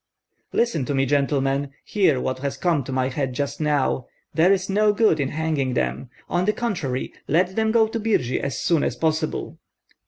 "Listen to me, gentlemen, hear what has come to my head just now: there is no good in hanging them; on the contrary, let them go to Birji as soon as possible."